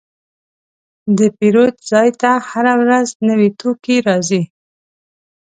د پیرود ځای ته هره ورځ نوي توکي راځي.